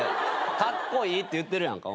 カッコイイって言ってるやんか。